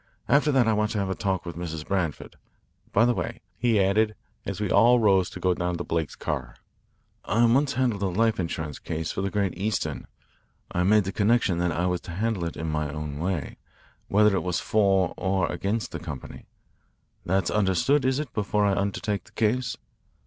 After that I want to have a talk with Mrs. Branford. By the way," he added, as we all rose to go down to Blake's car, "I once handled a life insurance case for the Great Eastern. I made the condition that I was to handle it in my own way, whether it went for or against the company. That's understood, is it, before I undertake the case?"